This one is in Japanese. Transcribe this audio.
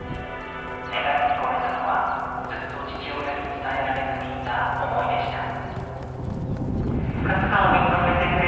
願いに込めたのはずっと父親に伝えられずにいた思いでした。